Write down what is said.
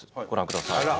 ご覧ください。